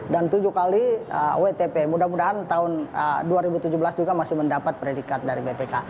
dan tujuh kali wtp mudah mudahan tahun dua ribu tujuh belas juga masih mendapat predikat dari bpk